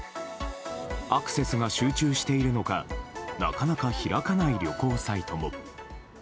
アクセスが集中しているのかなかなか開かない旅行サイトも。